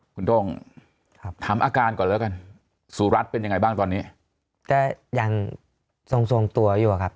คุณโต้งถามอาการก่อนแล้วกันสู่รัฐเป็นยังไงบ้างตอนนี้ยังทรงตัวอยู่ครับ